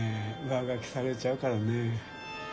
上書きされちゃうからね。